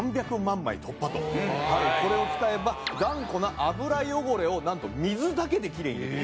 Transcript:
これを使えば頑固な油汚れをなんと水だけできれいに。